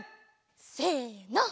せの。